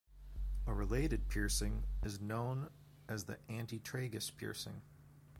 A related piercing is known as the antitragus piercing.